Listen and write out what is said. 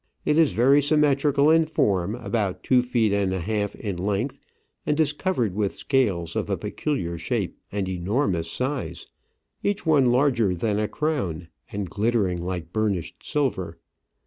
It is very symmetrical in form, about two feet and a half in length, and is covered with scales of a peculiar shape and enormous size, each one larger than a crown, and glittering like burnished silver.